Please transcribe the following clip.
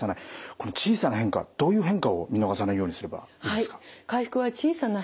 この小さな変化どういう変化を見逃さないようにすればいいですか。